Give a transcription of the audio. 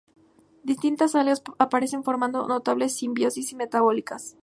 Distintas algas aparecen formando notables simbiosis metabólicas.